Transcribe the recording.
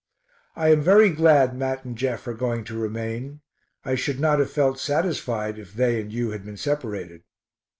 I am very glad Mat and Jeff are going to remain; I should not have felt satisfied if they and you had been separated.